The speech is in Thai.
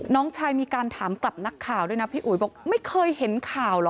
น้องชายมีการถามกลับนักข่าวด้วยนะพี่อุ๋ยบอกไม่เคยเห็นข่าวเหรอ